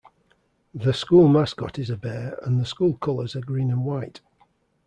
The school mascot is a bear and the school colors are green and white.